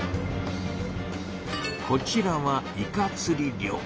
こちらは「イカつり漁」。